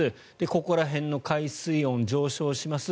ここら辺の海水温、上昇します